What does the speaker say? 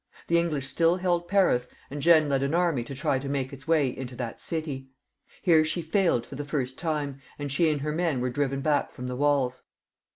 The English still held Paris, and Jeanne led an army to try and make its way into that city. Here she failed for the first time; and she and her men were driven back from the walls.